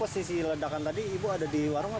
sisi ledakan tadi ibu ada di warung apa